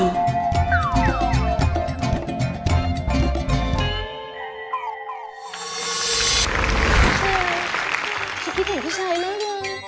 เฮ้ยชิคกี้พายเห็นพี่ชัยไหมกัน